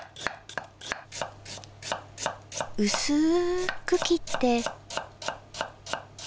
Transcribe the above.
うすく切って。